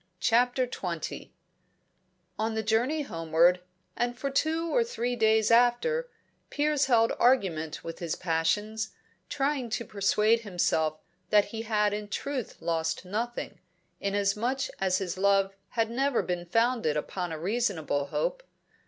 CHAPTER XX On the journey homeward, and for two or three days after, Piers held argument with his passions, trying to persuade himself that he had in truth lost nothing, inasmuch as his love had never been founded upon a reasonable hope.